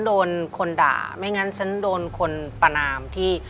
ที่ผ่านมาที่มันถูกบอกว่าเป็นกีฬาพื้นบ้านเนี่ย